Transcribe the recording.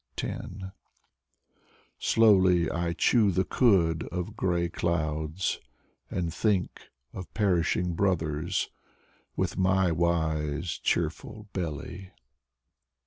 lO Slowly I chew the cud of gray clouds, And Think Of perishing brothers With my wise Cheerful belly.